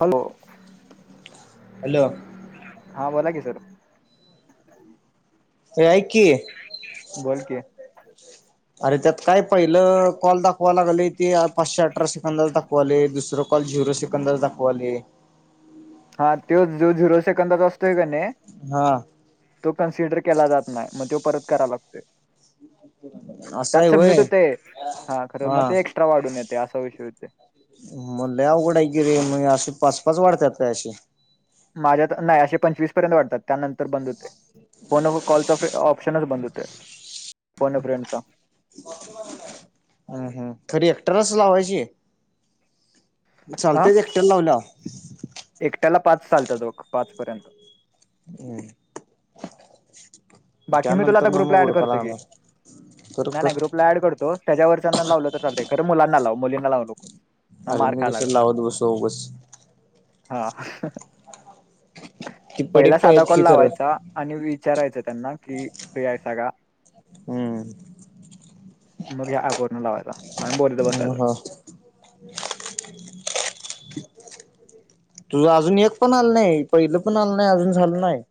Hello. Hello. हा बोला की सर. ए आईक की. बोल कि अरे त्यात काय पहिलं कॉल दाखवा लागले ते पाचशे अठरा सेकंदला दाख दाखवले दुसरं कॉले झिरो सेकंदच दाखवाले. हा तो जो झिरो सेकंदाचा असतोय का नाही. हा तो कन्सिडर केला जात नाही मग तो परत करा लागतोय असं आहे त्यात सबमिट होय होतंय हा खर मग ते एक्स्ट्रा वाढून येते अस विषय होते. म लय अवघड आहे की ते असे पाच पाच वाढतायेत काय असे? माझ्यात नाही अशे पंचवीस पर्यंत वाटतात त्यानंतर बंद होते. फोन कॉलचा ऑप्शनच बंद होते फोन फ्रेंडचा. हम्म हम्म खरी ऍक्टरच लावायची ये. हा चालतंय एकट्याला लावल्यावर. एकट्याला पाच चालतात बग पाच पर्यंत. हम्म बाकी मी तुला त्यानंतर आता ना मग ग्रुपला ऍड हुडका करते की लागणार कर नाही कर नाही ग्रुप ला अँड करतो त्याच्यावरच्यांना लावलं तर चालते खर मुलांना लाव मुलींना लाव नको. अरे मी कशाला लावत बसू उगाच. हा ती पडीक पहिला साधा पाहिजेत कोण की खरं लावायचा. आणि विचारायचं त्यांना कि फ्री आहेसा का? हम्म मग ह्या अँप वरण लावायचा आणि बोलत बसायचं. [inaudible] तुझ अजून एक पण आलं नाही पहिलं पण आलं नाही अजून झालं नाही.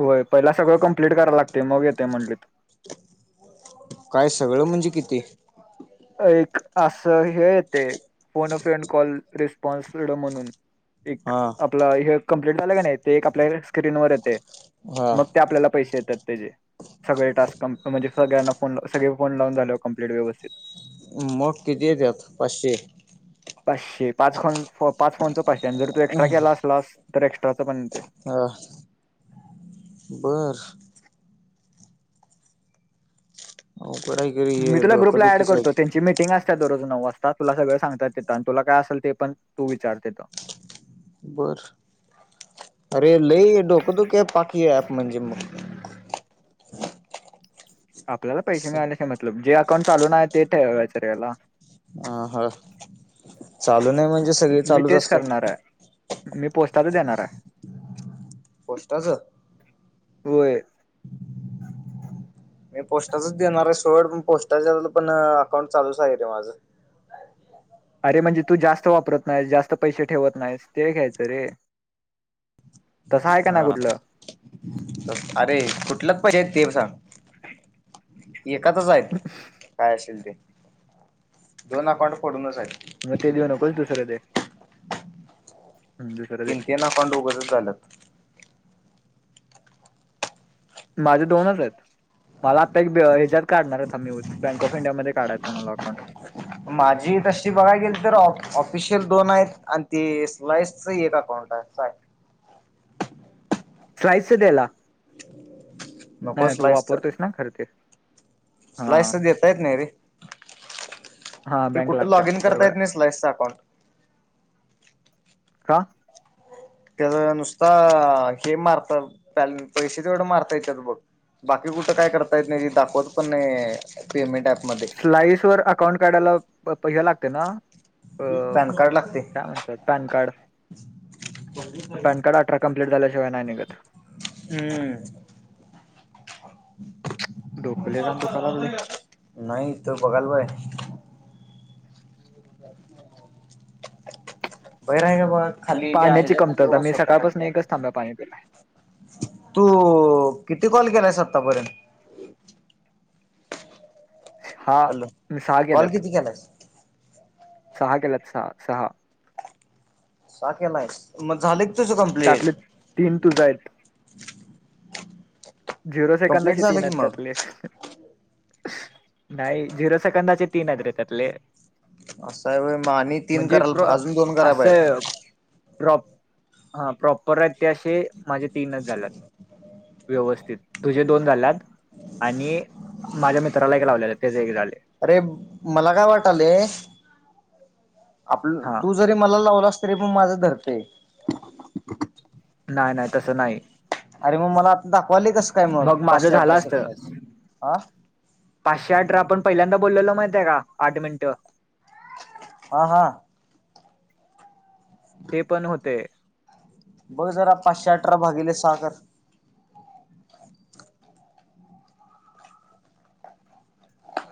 होय पहिला सगळं कम्प्लीट कराय लागते मग येते म्हणले ते. काय सगळं म्हणजे किती? एक असं हे येते. फोन अ फ्रेंड कॉल रेस्पॉन्सड फ्रीडम म्हणून. एक हा आपलं हे कंप्लीट झालं का नाही. ते एक आपल्या स्क्रीनवर येते हा मग ते आपल्याला पैसे येतात त्याचे. सगळे टास्क कम म्हणजे सगळ्यांना फोन ला सगळे फोन लावून झाले कम्प्लीट व्यवस्थित. मग किती येत्यात? पाचशे. पाचशे पाच फो पाच फोनच पाचशे आणि जर तू एक्स्ट्रा केला असलास तर एक्स्ट्राचा पण येते. ह बरं हो कढाई कर ये डोकां दुखी सा आहे मटिंग असतात दररोज नऊ वाजता तुला सगळं सांगातेत आणि तुला काय असेल ते पण तू विचारते बर अरे लई डोकंतोक पाकी ऍप म्हणजे मग आपल्याला पैसे मिळाण्याचे मतलब जे अकाउंट चालूून आहे ते ठेवाचारला अ हा चालू नाही म्हणजे सगळे मी चालूच तेच असतात करणार मी पोचताच देणार आहे पोस्टाचं वय मी पोस्टाचच देणार आहे सोड पोस्टाच्या पण अकाउंट चालूच आहे रे माझं अरे म्हणजे तू जास्त वापरत नाहीस जास्त पैसे ठेवत नाहीस ते घ्यायचं रे तसं आहे का नाही हा कुठलं अरे कुठलंच पहिजे आहेत ते सांग एातच आहेत ह काय असेल ते दोन अकाउंट फडूनच मग ते देऊ नकोच दुसरं दे हम्म, दुसरं दे तिनते नाकंड उगच झालंत माझे दोनच आहेत मला आत्ता एक ह्यात काढणार होता मी बँक ऑफ इंडियामध्येध्ये काढायचा आहे मला अकाउंट माझी तशी बघाय गेल तर ऑफिशियल दोन आहेत आणि ते स्लाईस आहेत अकाउंट बय स्लाईसच द्यायला नको नाही तू स्लाइसच वापरतोस ना खर ते हा स्लाईस देता येत नाही रे हा की बँक कुठे लागत्या लॉग इन बरोबर करतायेत आहे नाही स्लाईसच अकाउंट का त्या नुसता हे मारत पैसे तेवढ मारताय त्यात बघ बाकी कुठं काय करता येत नाही ती दाखवत पण नाही पेमेंट ऍपमध्ये स्लाईस वर अकाउंट काढायला पैसा लागते ना अ पॅन कार्ड लागते काय म्हणतात पॅन कार्ड पॅन कार्ड अठरा कंप्लीट झाल्याशिवाय नाही निघत ढोकले घाण दुखा लागले हम्म नाही तो बघाल बाय बहिर आहे का बज खाली इथे पाण्याची आहे खा कमतरता बघ मी स्वतः खाली सकाळपासून एकच थांबा्या पाणी केलाय तू किती कॉल केलाय आतापर्यंत हहा हॅलो मी सहा कॉल केलात किती केलायस सहा केलात सहा सहा सा केेलाय मग झाले त्यातले तीन तुझा आहेत झिरो कंप्लीट सेकंदाची झालं की तीनत मग त्यातले नाही झिरो सेकंदाचे तीन हज रे त्यातले असं आहे म आणि तीन म्हणजे करा अजून दोन कराव असं आहेत प्र हा प्रॉपर आहेत ते असे माझ्या तीनच झाल्या व्यवस्थित तुझे दोन झालेत आणि माझ्या मित्राला एक लावलेले ते एक झाले अरे मला काय वाटलं आप हा तू ज मला लावला अस तरी पण माझं धरते नाही नाही तसं नाही अरे मग मला आता दाखवाली तस काय मग माझं पाचशे झालं अठराशे असतं कोच हा पाचशे आठ आपण पहिल्यांदा बोललेलो माहित आहे का आठ मिनिटं हा हा ते पण होते बघ जरा पाचशे अठरा भागीले सहा कर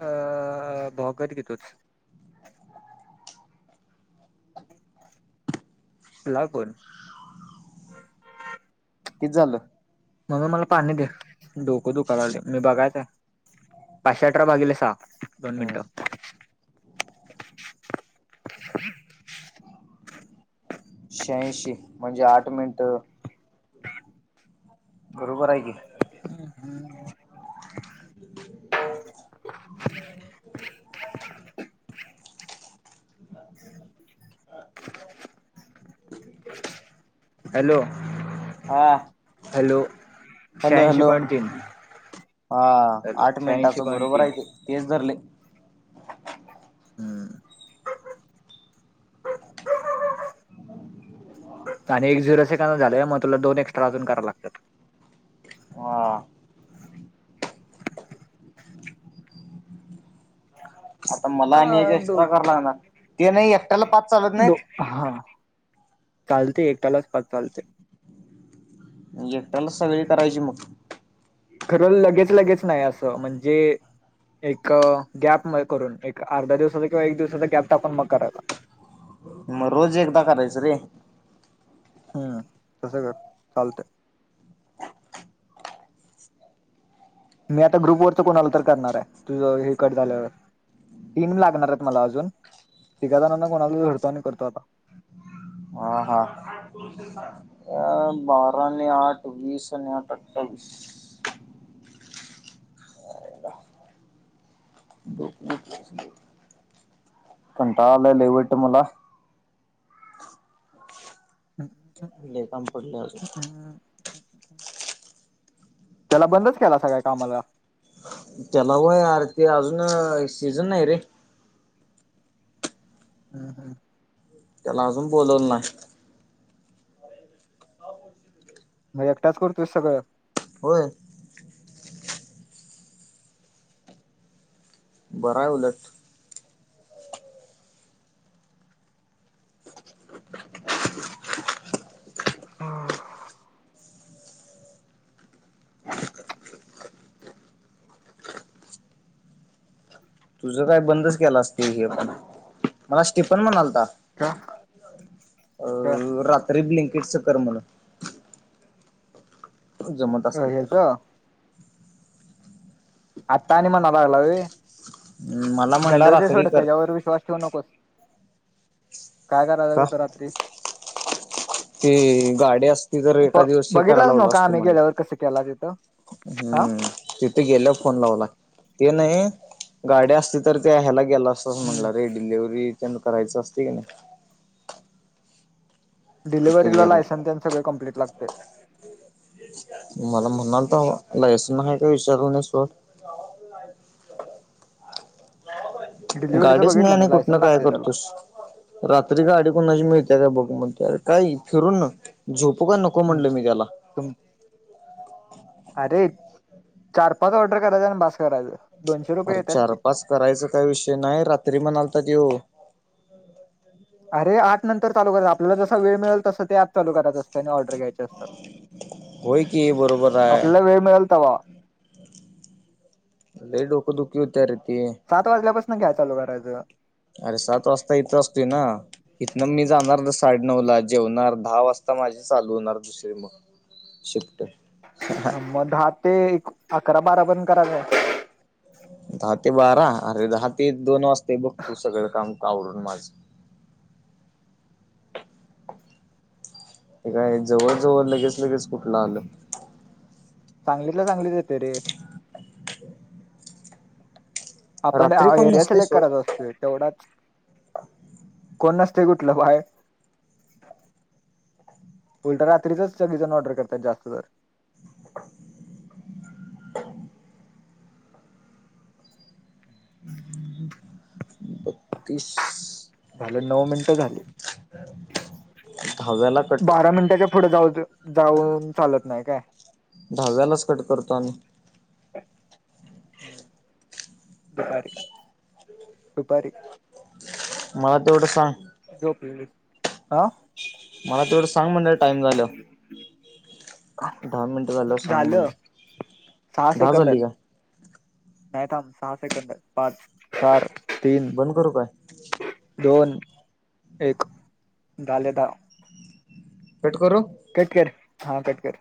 अ भाकर कि तोच लागून किती झालं मम्मे मला पाणी दे डोकं दुखाललंय मी बघायच आहे पाचशे अठरा भागीले सहा दोन हम्म मिनिटं [inaudible] शह्यांऐंशी म्हणजे आठ मिनिटं बरोबर आहे की हम् हम् [inaudible] हॅलो हा हॅलो हॅलो शह्यांऐंशी हॅलो पॉइंट तीन हा हॅलो आठ शहाऐंशी मिनिटाचं पॉईंट बरोबर तीन आहे ते तेच धरलय हम्म आणि एक झिरोच काम झालं मग तुला दोन एक्स्ट्रा अजून करावं लागतात हा आता मला आणि एक अ एक्स्ट्रा दो करायला लागणार ते नाही एकट्याला पाच चालत नाहीत दो हा चालते एकटालाच पाच चालते एकट्यानेच सगळी करायची मग खरं लगेच लगेच नाही असं म्हणजे एक गॅप मग करून एक अर्धा दिवसाचा किंवा एक दिवसाचा गॅप टाकून मग करायचा मग रोज एकदा करायचं रे हम्म तसं कर चालतय मी आता ग्रुप वरच कोणाला तर करणार आहे तुझं हे कट झाल्यावर तीन लागणार आहेत मला अजून तिघाजणांना कोणाला तर जोडतो आणि करतो आता हा हा अ बारा आणि आठ वीस आणि आठ अठ्ठावीस बबू ब कंटाळा आलाय ले वाईट मला ले काम पडलंय अजून ते ला बंदच केला सगळ्या कामाला तेला व्हय आर ते अजून सीझन नाही रे हम हम ते ला अजून बोलवलं नाही मग एकटाच करतोय सगळं होय बराय उलट हम तुझं काय बंदच केलं असतील हे पण मला स्टीफन म्हणालता का अ का रात्री ब्लिंकेटच कर म्हण जमन अ हेज आता आणि म्हणाला लागलाय होय मला म्हणला गंडवतय रात्री सोड कर तेज्यावर विश्वास ठेऊ नकोस काय करायला जायचं होतं रात्री ते गाडी असती तर एका दिवस हे कराय बघितलाच लावलो नव्ह का असतो आम्ही मला गेल्यावर कसं केला तिथं हा हम्म तिथे गेल्या फोन लावला ते नाही गाडी असते तर ते ह्यायला गेलं अस तोच म्हटला हम्म रे डिलेव्हरी ते न करायचं असते की नाही तिथे डिलेव्हरी गेला लायसन त्यांच ले कंप्लीट लागतंय मला म्हणाल तर लासन आहे का विचारला नाही शवरट गावाात डिलिव्हरीचं गाडीच नाही बघितलं आणि मी कुठनं लायसन काय लागते त्याला. करतोस रात्री गाडी कोणाची मिळते काय बघू मगर काही फिरून ना झोपू का नको को हम्म, म्हणले मी त्याला तुम अरे चार पाच ऑर्डर करायचा आणि बास करायचं दोनशे रुपये अरे येतात चार की. पाच करायच काय विषय नाही रात्री म्हणालतात ये अर आठ नंतर चालू करतात आपल्याला जसा वेळ मिळेल तसं ते प चाूत असते नाही ऑर्डर घ्यायची होय की बरोबर आहे. आपल्याला वेळ मिळेल त वा अ डोक दुःखी होत रेती सात वाजल्यापासून घ्याय चालू करायचं अरे सात वाजता इथ असते ना इथन मी जाणार साडेनऊ ला जेवणार दहा वाजता माझी चालू होणार दुसर मग शिकते मग दहा ते एक अकरा बारा पण कराच दहा ते बारा अरे दहा ते दोन वाजता बघ तू सगळं काम आवडून माझ हे काय जवळ जवळ लगेच लगेच कुठलं आलं चांगलीतला चांगलीच येते रे आपण रात्री कोण एरिया नसतंय सिलेक्ट सोड करायचाोस्तो तेवढाच कोण नसते गुठलं बाहे उलटा रात्रीच सगीजण ऑर्डर करतात जास्त तर त्रीस झालं नऊ मिनट झाली दहाव्याला कट बारा मिनटाच्या पुढे जाऊ जाऊन चालत नाही काय दहाव्यालाच कट करतो् दपारी दपारी मला तेवढं सांग झो पली हा मला तेवढं सांग म्हणडे टाइम झालं. झाल्यावर सांग झालं म्हणलं. सहा दहा सेकंद झाली आहेत. काय? नाहीथम सहा सेकंद पाच चार तीन बंद करू काय? दोन एक ाले दहा. पटकरो? कट कर हा कट कर.